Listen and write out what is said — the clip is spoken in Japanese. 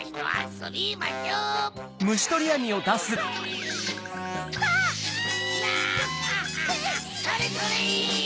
それそれ！